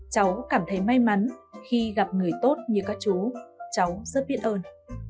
cháu cảm thấy may mắn khi gặp người tốt như các chú cháu rất biết ơn